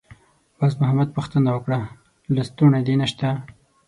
باز محمد پوښتنه وکړه: «لستوڼی دې نشته؟»